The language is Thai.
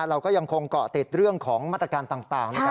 เราก็ยังคงเกาะติดเรื่องของมาตรการต่างนะครับ